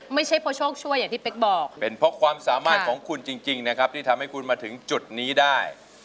ไม่ใช่เพราะโชคช่วยอย่างที่เป๊กบอกเป็นเพราะความสามารถของคุณจริงนะครับที่ทำให้คุณมาถึงจุดนี้ได้